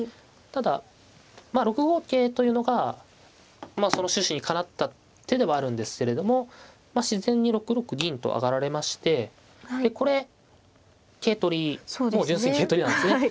ただまあ６五桂というのがまあその趣旨にかなった手ではあるんですけれどもまあ自然に６六銀と上がられましてでこれ桂取りもう純粋に桂取りなんですね。